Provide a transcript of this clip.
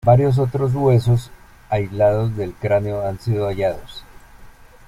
Varios otros huesos aislados del cráneo han sido hallados.